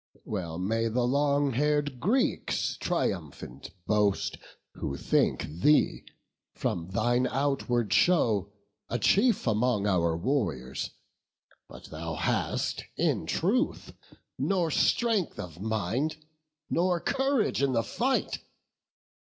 Well may the long hair'd Greeks triumphant boast, Who think thee, from thine outward show, a chief Among our warriors; but thou hast in truth Nor strength of mind, nor courage in the fight.